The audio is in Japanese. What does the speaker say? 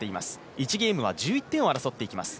１ゲームは１１点を争っていきます。